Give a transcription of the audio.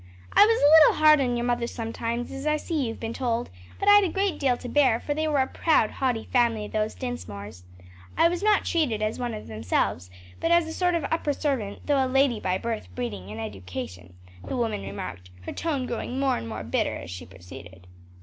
I was a little hard on your mother sometimes, as I see you've been told; but I'd a great deal to bear; for they were a proud, haughty family those Dinsmores. I was not treated as one of themselves, but as a sort of upper servant, though a lady by birth, breeding and education," the woman remarked, her tone growing more and more bitter as she proceeded.